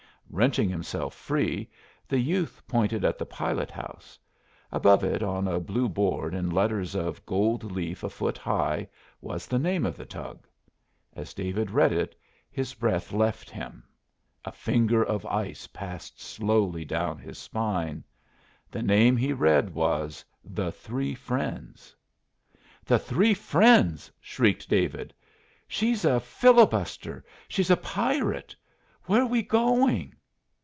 Wrenching himself free, the youth pointed at the pilot house. Above it on a blue board in letters of gold leaf a foot high was the name of the tug. As David read it his breath left him, a finger of ice passed slowly down his spine. The name he read was The Three Friends. "The Three Friends!" shrieked David. "She's a filibuster! She's a pirate! Where're we going?"